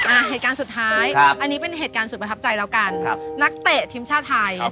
เหตุการณ์สุดท้ายครับอันนี้เป็นเหตุการณ์สุดประทับใจแล้วกันครับนักเตะทีมชาติไทย